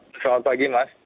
selamat pagi mas